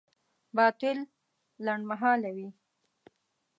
باطل لنډمهاله وي.